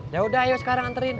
yaudah ayo sekarang anterin